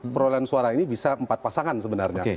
perolehan suara ini bisa empat pasangan sebenarnya